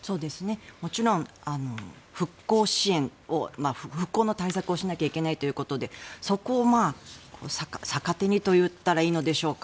もちろん復興支援復興の対策をしないといけないということでそこを逆手にと言ったらいいのでしょうか